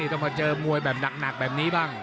ต้องมาเจอมวยแบบหนักแบบนี้บ้าง